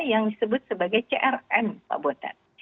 yang disebut sebagai crm pak bondan